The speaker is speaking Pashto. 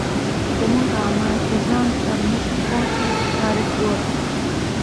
زموږ اعمال د ځان سرمشق کړه تاریخ ګوره.